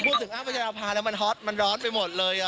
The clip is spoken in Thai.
พูดถึงอ้ำพัชราภาแล้วมันฮอตมันร้อนไปหมดเลย